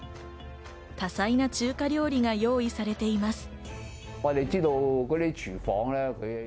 多彩な中華料理が用意されています。